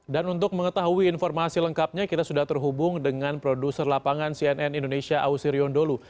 dan untuk mengetahui informasi lengkapnya kita sudah terhubung dengan produser lapangan cnn indonesia ausi riondolu